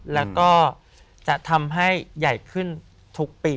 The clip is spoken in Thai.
แล้วก็จะทำให้ใหญ่ขึ้นทุกปี